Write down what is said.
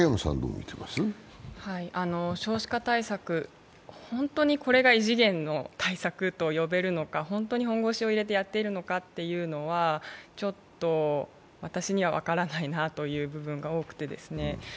少子化対策、これが本当に異次元の対策と呼べるのか、本当に本腰を入れてやっているのかというのは、ちょっと私には分からないなという部分が多くてですね